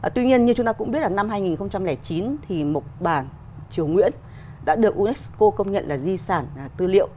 tuy nhiên như chúng ta cũng biết là năm hai nghìn chín thì mộc bản triều nguyễn đã được unesco công nhận là di sản tư liệu